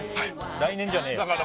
来年じゃねえよ